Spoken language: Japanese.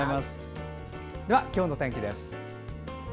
では今日の天気です。